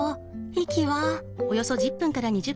息は？